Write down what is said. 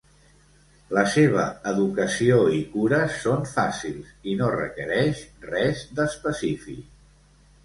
La seva educació i cures són fàcils i no requereix res d'específic.